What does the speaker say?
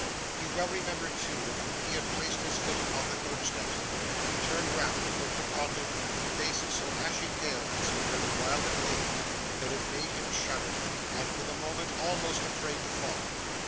He well remembered, too, that when he had placed his foot upon the coach steps, he turned round and looked upon him with a face so ashy pale and so very wild and vacant that it made him shudder, and for the moment almost afraid to follow.